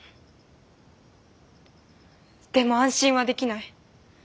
でも安心はできない。